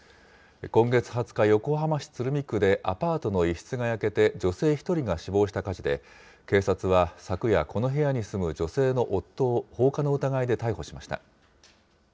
今月２０日、横浜市鶴見区でアパートの一室が焼けて、女性１人が死亡した火事で、警察は昨夜、この部屋に住む女性の夫を、放火の疑いで逮捕しました。